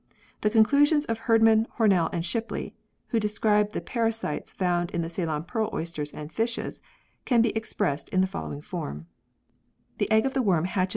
The conclusions of Herd man, Hornell and Shipley (who described the para sites found in the Ceylon pearl oysters and fishes) can be expressed in the following form : 110 PEARLS [CH.